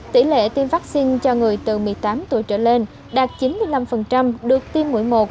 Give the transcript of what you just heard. tỷ lệ tiêm vaccine cho người từ một mươi tám tuổi trở lên đạt chín mươi năm được tiêm mũi một